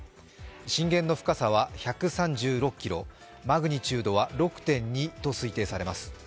震源の深さは１３６ｋｍ、マグニチュードは６．２と推定されます。